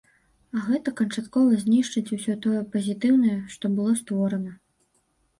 А гэта канчаткова знішчыць усё тое пазітыўнае, што было створана.